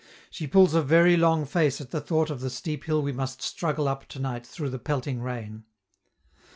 She pulls a very long face at the thought of the steep hill we must struggle up tonight through the pelting rain.